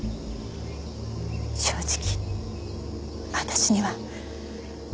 正直私には。